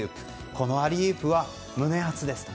このアリウープは胸熱ですと。